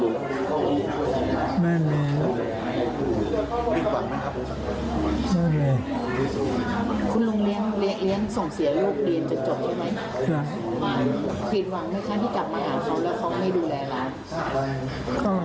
ผิดหวังไหมคะที่กลับมาหาเขาแล้วเขาไม่ดูแลร้าน